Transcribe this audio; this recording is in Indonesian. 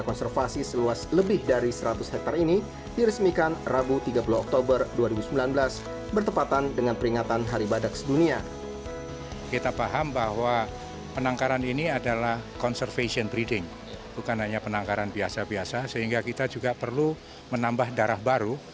conservation breeding bukan hanya penangkaran biasa biasa sehingga kita juga perlu menambah darah baru